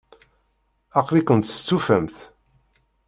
Aql-ikent testufamt?